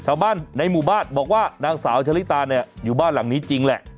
ชาวบ้านในหมู่บ้านบอกว่านางสาวชะลิตาเนี่ยอยู่บ้านหลังนี้จริงแหละ